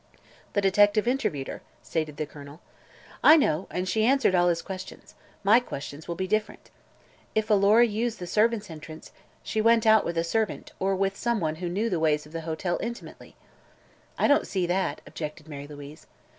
"The detective interviewed her," stated Colonel. "I know, and she answered all his questions. My questions will be different. If Alora used the servants' entrance, she went out with a servant or with someone who knew the ways of the hotel intimately." "I don't see that," objected Mary Louise.